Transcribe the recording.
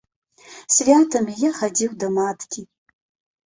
Святамі я хадзіў да маткі.